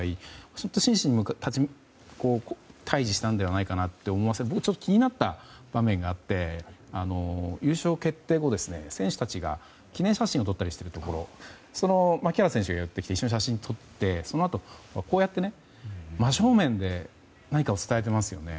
本当に真摯に対峙したんじゃないかなと思うんですが僕、ちょっと気になった場面があって優勝決定後、選手たちが記念写真を撮ったりしてるところ牧原選手が寄ってきて一緒に写真を撮ってそのあと、真正面で何かを伝えていますよね。